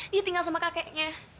dia tinggal sama kakeknya